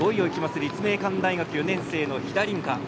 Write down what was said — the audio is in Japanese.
立命館大学４年生の飛田凛香。